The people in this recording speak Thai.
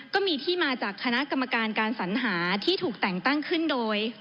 ก็มีที่มาจากคณะกรรมการการสัญหาที่ถูกแต่งตั้งขึ้นโดย